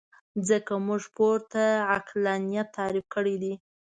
ځکه موږ پورته عقلانیت تعریف کړی دی.